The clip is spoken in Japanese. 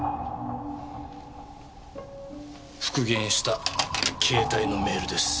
復元した携帯のメールです。